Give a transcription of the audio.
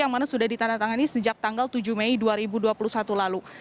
yang mana sudah ditandatangani sejak tanggal tujuh mei dua ribu dua puluh satu lalu